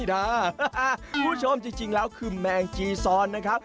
คุณผู้ชมจริงแล้วคือแมงจีซอนนะครับ